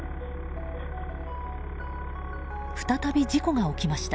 再び事故が起きました。